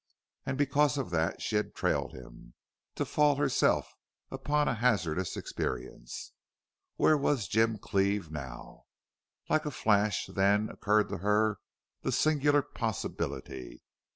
And because of that she had trailed him, to fall herself upon a hazardous experience. Where was Jim Cleve now? Like a flash then occurred to her the singular possibility.